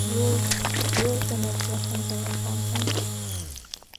Rules and Regulations are important